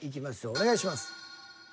お願いします。